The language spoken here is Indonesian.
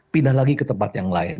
pindah lagi ke tempat yang lain